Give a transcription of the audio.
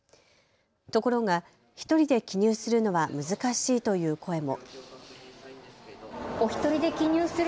ところが、１人で記入するのは難しいという声も。